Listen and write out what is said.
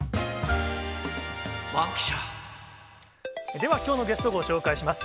ではきょうのゲスト、ご紹介します。